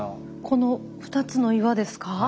この２つの岩ですか？